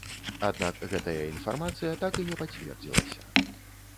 Аднак, гэтая інфармацыя так і не пацвердзілася.